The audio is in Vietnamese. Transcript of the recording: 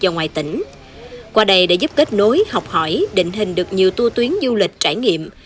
và ngoài tỉnh qua đây đã giúp kết nối học hỏi định hình được nhiều tua tuyến du lịch trải nghiệm